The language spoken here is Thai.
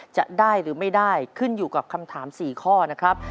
จะได้หรือไม่ได้ขึ้นอยู่กับคำถาม๔ข้อนะครับ